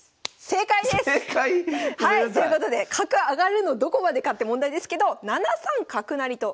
正解⁉はい！ということで角上がるのどこまでかって問題ですけど７三角成と。